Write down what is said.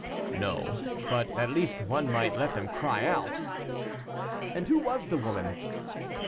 "No; but, at least, one might let them cry out." "And who was the woman?"